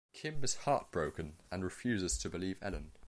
Kim is heartbroken and refuses to believe Ellen.